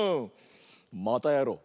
またやろう！